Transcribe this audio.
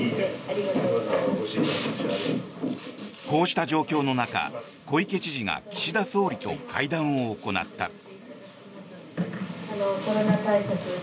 こうした状況の中、小池知事が岸田総理と会談を行った。